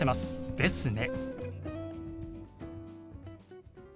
「ですね